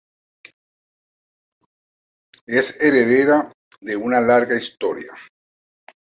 Es heredera de una larga historia.